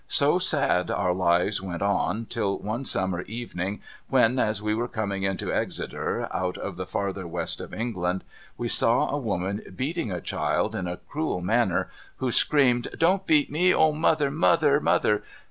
So sad our lives went on till one summer evening, when, as we were coming into Exeter, out of the farther West of England, we saw a woman beating a child in a cruel manner, who screamed, ' Don't beat me ! O mother, mother, mother